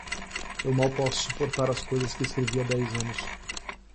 Eu mal posso suportar as coisas que escrevi há dez anos.